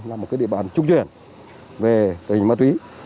là một địa bàn trung chuyển về tình hình ma túy